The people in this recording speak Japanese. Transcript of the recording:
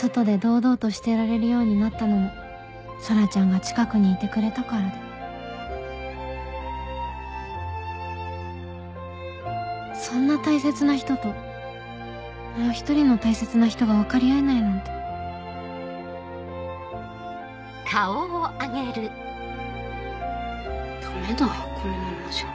外で堂々としてられるようになったのも空ちゃんが近くにいてくれたからでそんな大切な人ともう一人の大切な人が分かり合えないなんてダメだこのままじゃ。